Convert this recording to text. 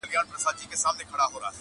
د سحر لمونځ له مې د ځان سره نېزه راؤړې